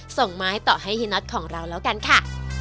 ส่งมาให้ต่อให้ฮินทร์ของเราแล้วกันค่ะ